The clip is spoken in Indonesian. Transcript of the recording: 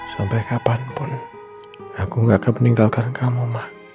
sampai kapanpun aku gak akan meninggalkan kamu mah